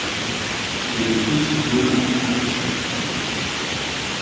Il est le fils du joueur Martin Lötscher.